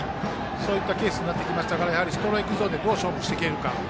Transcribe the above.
そういったケースになってきましたからストライクゾーンでどう勝負していけるか。